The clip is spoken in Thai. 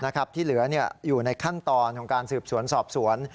นะครับที่เหลือเนี่ยอยู่ในขั้นตอนของการสืบสวนสอบสวน